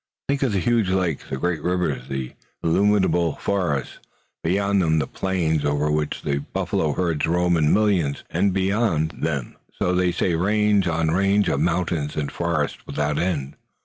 Think of the huge lakes, the great rivers, the illimitable forests, beyond them the plains over which the buffalo herds roam in millions, and beyond them, so they say, range on range of mountains and forests without end."